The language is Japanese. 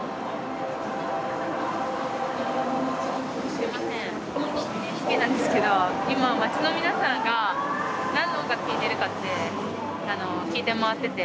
すいませんＮＨＫなんですけどいま街の皆さんが何の音楽聴いてるかって聞いて回ってて。